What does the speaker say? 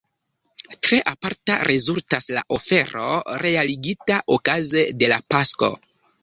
Tre aparta rezultas la ofero realigita okaze de la Pasko.